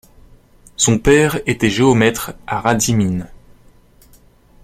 Son père était géomètre à Radzymin.